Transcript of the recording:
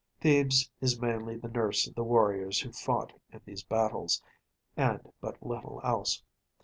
Thebes is mainly the nurse of the warriors who fought in these battles, and but little else.